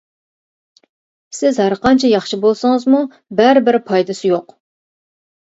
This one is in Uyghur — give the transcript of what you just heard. سىز ھەر قانچە ياخشى بولسىڭىزمۇ بەرىبىر پايدىسى يوق.